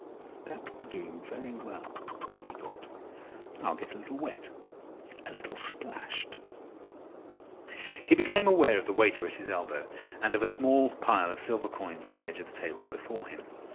"That'll do very well," he thought. "I'll get a little wet, a little splashed—" He became aware of the waiter at his elbow and of a small pile of silver coins on the edge of the table before him.